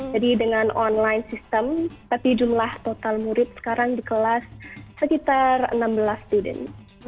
jadi dengan online system tapi jumlah total murid sekarang di kelas sekitar enam belas student